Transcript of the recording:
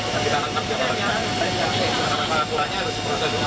karena perangkatnya harus dipercaya dukung